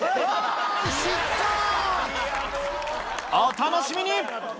・お楽しみに！